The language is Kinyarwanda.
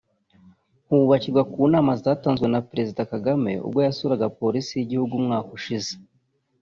hubakirwa ku nama zatanzwe na Perezida Kagame ubwo yasuraga Polisi y’igihugu umwaka ushize